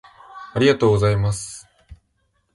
ありがとうございます。